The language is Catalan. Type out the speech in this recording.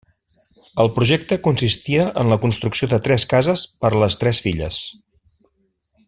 El projecte consistia en la construcció de tres cases per a les tres filles.